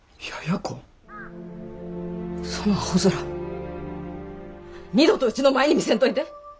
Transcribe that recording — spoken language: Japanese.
そのあほ面二度とうちの前に見せんといて。